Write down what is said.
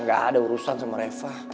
gak ada urusan sama reva